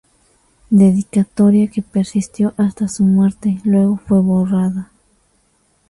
Dedicatoria que persistió hasta su muerte; luego fue borrada.